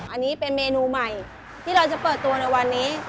อันนี้เป็นเมนูใหม่ที่เราจะเปิดตัวในวันนี้